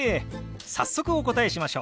早速お答えしましょう。